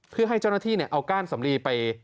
เพื่อให้เจ้าหน้าที่เอาก้านสำลีไป